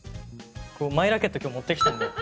マイラケット今日持ってきたんだよ。